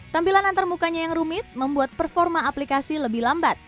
tampilan antarmukanya yang rumit membuat performa aplikasi lebih lambat